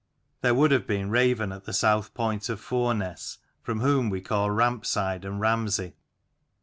There would have been Raven at the south point of Foreness, from whom we call Rampside and Ramsey.